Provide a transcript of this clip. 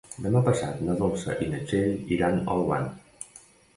Demà passat na Dolça i na Txell iran a Olvan.